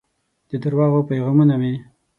د درواغو پیغامونه مې